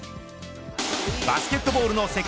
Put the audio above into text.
バスケットボールの世界